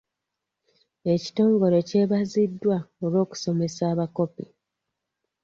Ekitongole kyebaziddwa olw'okusomesa abakopi.